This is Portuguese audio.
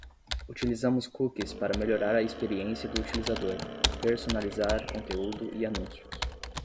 Utilizamos cookies para melhorar a experiência do utilizador, personalizar conteúdo e anúncios.